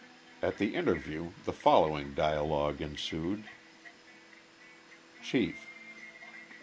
— At the interview the following dialogue ensued : Chief.